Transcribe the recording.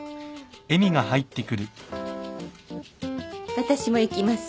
私も行きます。